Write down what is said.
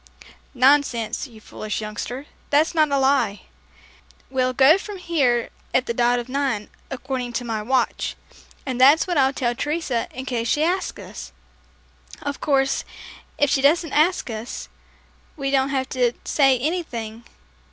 "Nonsense, you foolish youngster, that's not a lie. We'll go from here at the dot of nine, according to my watch, and that's what I'll tell Teresa in case she asks us. Of course, if she doesn't ask us, we don't have to say anything.